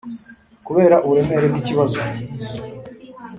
kubera uburemere bw'ikibazo